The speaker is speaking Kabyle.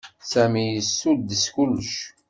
Sami yessuddes kullec.